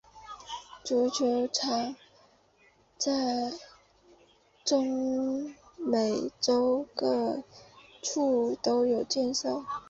蹴球场在中美洲各处都有设立。